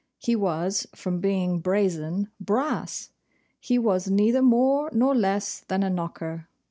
He was, from being BRAZEN, BRASS! He was neither more nor less than a knocker!